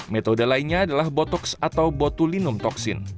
metode lainnya adalah botox atau botulinum toksin